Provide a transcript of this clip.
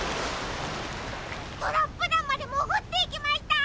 トラップだんまでもぐっていきました！